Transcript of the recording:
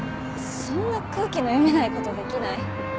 そんな空気の読めないことできない。